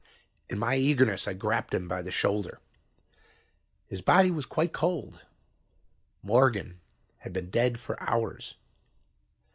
In my eagerness I grasped him by the shoulder. His body was quite cold. Morgan had been dead for hours.